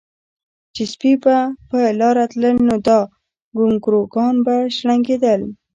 چې سپي به پۀ لاره تلل نو دا ګونګروګان به شړنګېدل